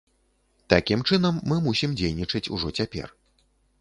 Такім чынам, мы мусім дзейнічаць ужо цяпер.